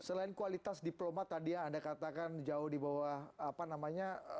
selain kualitas diplomat tadi yang anda katakan jauh di bawah apa namanya